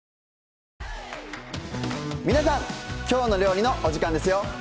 皆さん「きょうの料理」のお時間ですよ。